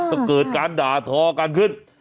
ต้องเกิดการด่าทอการขึ้น